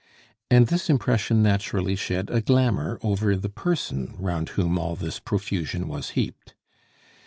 And this impression naturally shed a glamour over the person round whom all this profusion was heaped.